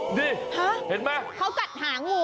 นี่เห็นไหมเห็นไหมเห็นไหม